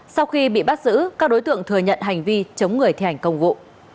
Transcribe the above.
sau khi bị bắt giữ các đối tượng thừa nhận hành vi chống người thi hành công vụ